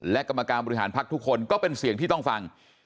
และกรรมการบริหารพักทุกคนก็เป็นเสียงที่ต้องฟัง